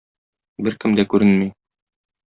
Беркем дә күренми.